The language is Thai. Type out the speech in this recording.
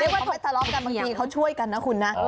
ว่าช่วยทะเลาะกันบางทีเขาช่วยกันนะคุณนะ